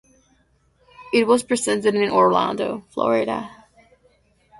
It was presented in Orlando, Florida.